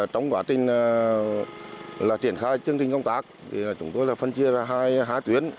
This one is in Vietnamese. trong quá trình là triển khai chương trình công tác chúng tôi là phân chia ra hai tuyến